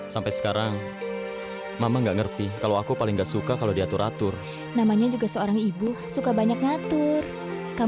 sampai jumpa di video selanjutnya